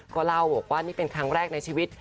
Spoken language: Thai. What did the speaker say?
ก็เล่าบอกว่านี่เป็นครั้งแรกในชีวิต